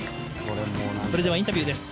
それではインタビューです。